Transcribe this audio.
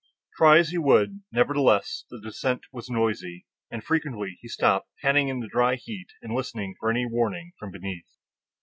Try as he would, nevertheless the descent was noisy, and frequently he stopped, panting in the dry heat and listening for any warning from beneath.